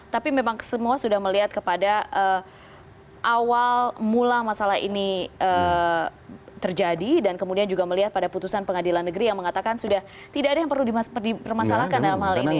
tapi memang semua sudah melihat kepada awal mula masalah ini terjadi dan kemudian juga melihat pada putusan pengadilan negeri yang mengatakan sudah tidak ada yang perlu dipermasalahkan dalam hal ini